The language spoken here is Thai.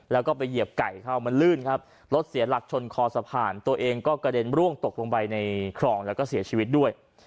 แล้วก็ไปเหยียบไก่เข้ามันลื่นครับรถเสียหลักชนคอสะพานตัวเองก็กระเด็นร่วงตกลงไปในคลองแล้วก็เสียชีวิตด้วย